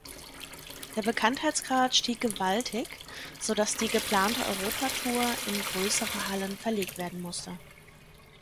Der Bekanntheitsgrad stieg gewaltig, sodass die geplante Europatour in größere Hallen verlegt werden musste.